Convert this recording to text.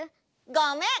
ごめん！